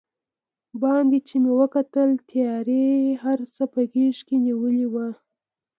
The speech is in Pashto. باندې چې مې وکتل، تیارې هر څه په غېږ کې نیولي و.